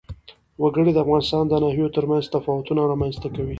وګړي د افغانستان د ناحیو ترمنځ تفاوتونه رامنځ ته کوي.